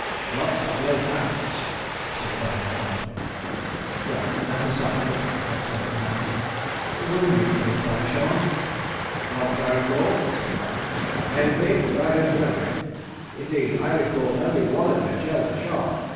"Sharks have no hands," said the Baron quietly. "Well that aside," observed Ananias. "Were you killed by a shark?" "Not that I recall," said the Baron. "I may have been, but I don't remember it. Indeed I recall only one adventure with a shark.